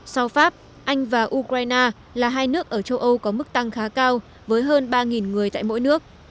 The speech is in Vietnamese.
sau pháp anh và ukraine là hai nước ở châu âu có mức tăng khá cao với hơn ba người tại mỗi nước